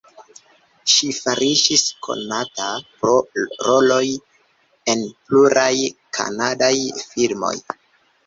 Ŝi fariĝis konata pro roloj en pluraj kanadaj filmoj.